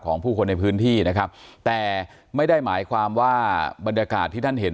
ของผู้คนในพื้นที่นะครับแต่ไม่ได้หมายความว่าบรรยากาศที่ท่านเห็น